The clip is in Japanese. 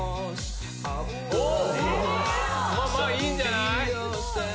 おー、まあまあ、いいんじゃない？